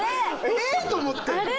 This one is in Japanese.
えぇ⁉と思って。